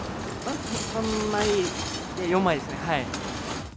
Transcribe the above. ３枚、４枚ですね。